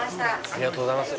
ありがとうございます。